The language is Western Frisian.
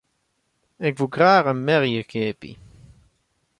Ik woe graach in merje keapje.